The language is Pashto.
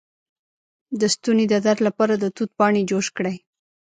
د ستوني د درد لپاره د توت پاڼې جوش کړئ